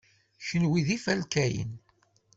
Kenwi d ifalkayen.